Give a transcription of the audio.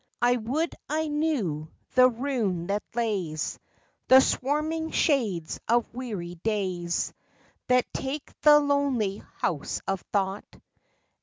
I would I knew the rune that lays The swarming shades of weary days That take the lonely House of Thought